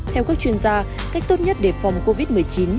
theo các chuyên gia cách tốt nhất để phòng covid một mươi chín